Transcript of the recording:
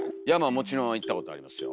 もちろん行ったことありますよ。